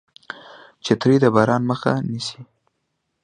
چترۍ د باران مخه نیسي